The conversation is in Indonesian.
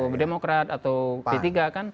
berdemokrat atau p tiga kan